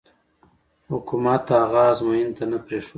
حکومت هغه ازموینې ته نه پرېښود.